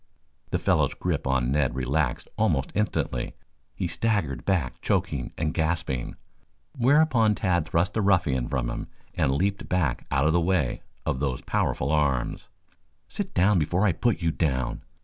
The fellow's grip on Ned relaxed almost instantly. He staggered back choking and gasping, whereupon Tad thrust the ruffian from him and leaped back out of the way of those powerful arms. "Sit down before I put you down!"